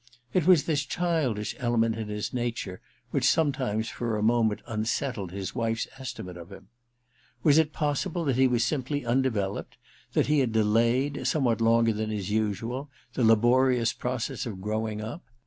It was this childish element in his nature which sometimes for a moment unsettled his wife's estimate of him. Was it possible that he was simply undeveloped, that 2IO THE RECKONING ii he had delayed, somewhat longer than is usual, the laborious process of growing up